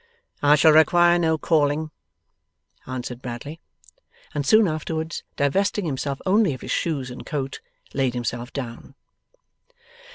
'I shall require no calling,' answered Bradley. And soon afterwards, divesting himself only of his shoes and coat, laid himself down.